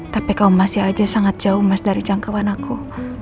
tapi kau masih aja sangat jauh mas dari jangkauan aku